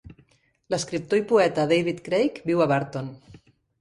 L'escriptor i poeta David Craig viu a Burton.